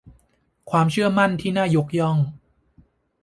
ความเชื่อมั่นที่น่ายกย่อง